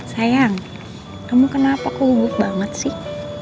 sayang kamu kenapa kubu banget sih